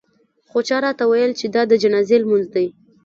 خو چا راته وویل چې دا د جنازې لمونځ دی.